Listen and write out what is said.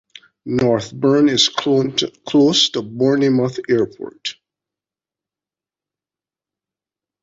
Northbourne is close to Bournemouth Airport.